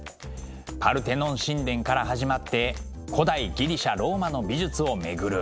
パルテノン神殿から始まって古代ギリシャ・ローマの美術をめぐる。